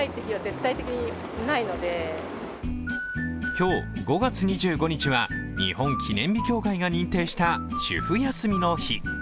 今日５月２５日は、日本記念日協会が認定した主婦休みの日。